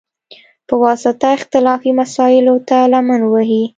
په واسطه، اختلافي مسایلوته لمن ووهي،